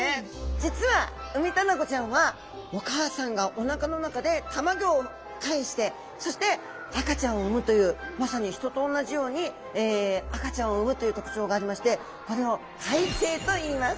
実はウミタナゴちゃんはお母さんがお腹の中で卵をかえしてそして赤ちゃんを産むというまさに人とおんなじように赤ちゃんを産むという特徴がありましてこれを胎生といいます。